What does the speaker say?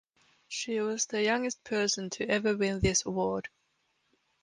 She was the youngest person to ever win this award.